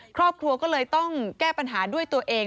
ครอบครัวก็เลยต้องแก้ปัญหาด้วยตัวเอง